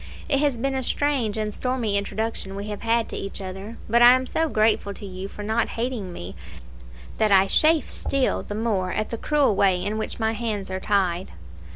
It has been a strange and stormy introduction we have had to each other; but I am so grateful to you for not hating me, that I chafe still the more at the cruel way in which my hands are tied.